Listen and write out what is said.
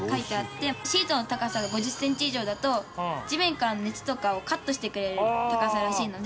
シートの高さが５０センチ以上だと地面からの熱とかをカットしてくれる高さらしいので。